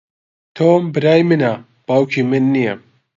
تۆم برای منە، باوکی من نییە.